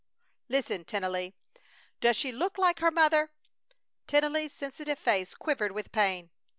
"Listen, Tennelly. Does she look like her mother?" Tennelly's sensitive face quivered with pain.